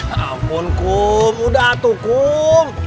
ya ampun kum udah atuh kum